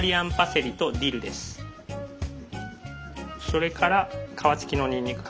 それから皮つきのにんにく。